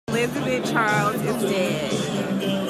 Elizabeth Charles is dead.